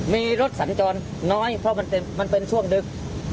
มีรถสัญจรน้อยเพราะมันเป็นช่วงดึก